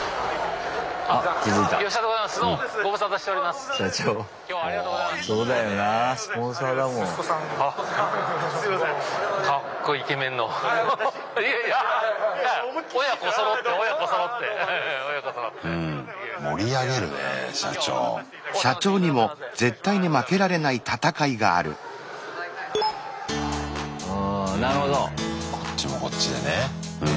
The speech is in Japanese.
こっちもこっちでね前哨戦だ。